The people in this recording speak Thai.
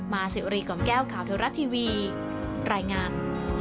สิวรีกล่อมแก้วข่าวเทวรัฐทีวีรายงาน